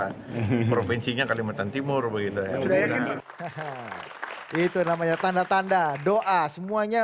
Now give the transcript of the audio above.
ingin provinsinya kalimantan timur begitu ya sudah yang ini itu namanya tanda tanda doa semuanya